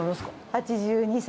８２歳。